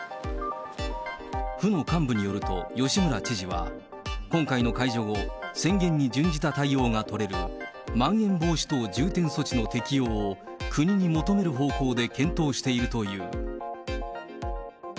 府の幹部によると、吉村知事は、今回の解除後、宣言に準じた対応が取れるまん延防止等重点措置の適用を国に求める方向で検討しているという。